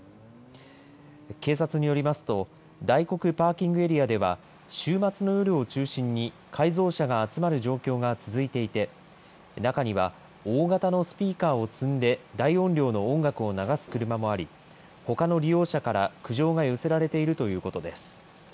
警察によりますと、大黒パーキングエリアでは、週末の夜を中心に、改造車が集まる状況が続いていて、中には大型のスピーカーを積んで大音量の音楽を流す車もあり、ほかの利用者から苦情が寄せられているということです。